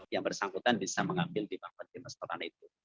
yang bersangkutan bisa mengambil di bangunan di masyarakat itu